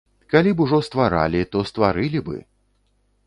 Калі б ужо стваралі, то стварылі бы.